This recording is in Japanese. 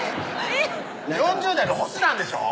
４０代の星なんでしょ？